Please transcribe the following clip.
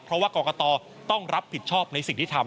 เพราะว่ากรกตต้องรับผิดชอบในสิ่งที่ทำ